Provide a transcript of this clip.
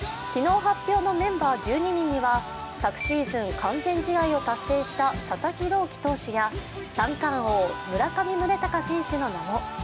昨日発表のメンバー１２人には、昨シーズン、完全試合を達成した佐々木朗希投手や三冠王・村上宗隆選手の名も。